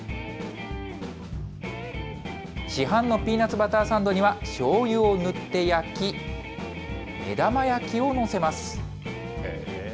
市販のピーナツバターサンドには、しょうゆを塗って焼き、目玉焼きを載せます。